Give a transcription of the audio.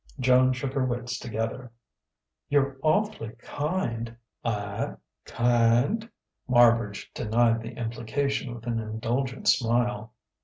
Joan shook her wits together. "You're awf'ly kind " "I kind?" Marbridge denied the implication with an indulgent smile.